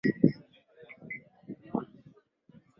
kudai kuwa adhabu hiyo haikuwa ya kweli